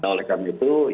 oleh karena itu